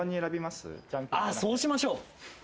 そうしましょう。